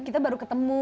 kita baru ketemu